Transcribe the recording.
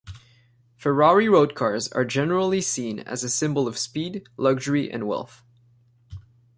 Ferrari road cars are generally seen as a symbol of speed, luxury and wealth.